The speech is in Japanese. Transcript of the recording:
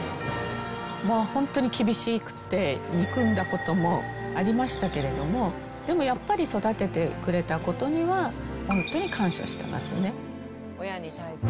もう本当に厳しくって、憎んだこともありましたけれども、でもやっぱり、育ててくれたことには本当に感謝してますね。